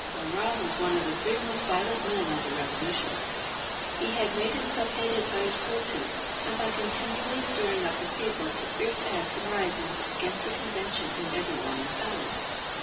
Marat was one of the three most violent men of the Eevolution. He had made himself hated by his cruelty, and by continually stirring up the people to fierce acts and risings against the Convention and every one in power.